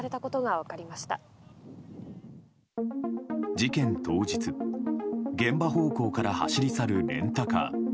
事件当日、現場方向から走り去るレンタカー。